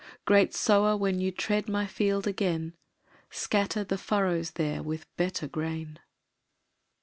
Great Sower when you tread My field again, Scatter the furrows there With better grain.